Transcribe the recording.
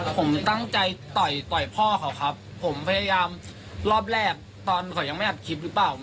ผมตั้งใจต่อยต่อยพ่อเขาครับผมพยายามรอบแรกตอนเขายังไม่อัดคลิปหรือเปล่า